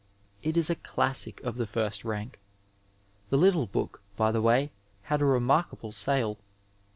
It is a classic of the first rank. The little book, by the way, had a remarkable sale.